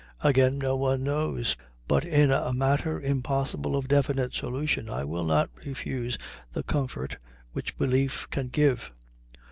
Again, no one knows, but in a matter impossible of definite solution I will not refuse the comfort which belief can give.